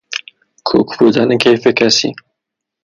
کوک بودن کیف کسی